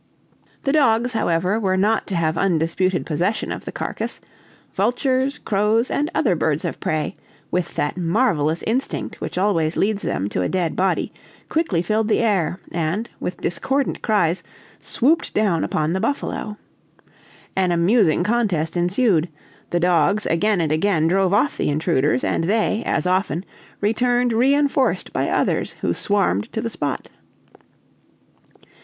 The dogs, however, were not to have undisputed possession of the carcass; vultures, crows, and other birds of prey, with that marvelous instinct which always leads them to a dead body, quickly filled the air, and, with discordant cries, swooped down upon the buffalo. An amusing contest ensued; the dogs again and again drove off the intruders, and they, as often, returned re enforced by others who swarmed to the spot.